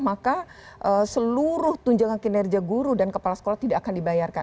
maka seluruh tunjangan kinerja guru dan kepala sekolah tidak akan dibayarkan